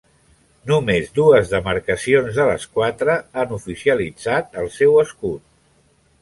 Només dues demarcacions de les quatre han oficialitzat el seu escut.